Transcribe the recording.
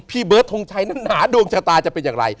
เบิร์ดทงชัยนั้นหนาดวงชะตาจะเป็นอย่างไร